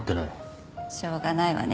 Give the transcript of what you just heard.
しょうがないわね。